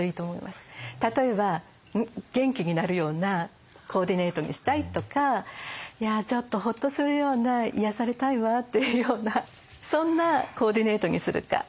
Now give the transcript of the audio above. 例えば元気になるようなコーディネートにしたいとかちょっとほっとするような癒やされたいわっていうようなそんなコーディネートにするか。